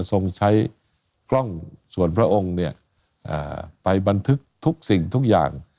ทรงใช้กล้องส่วนพระองค์เนี่ยไปบันทึกทุกสิ่งทุกอย่าง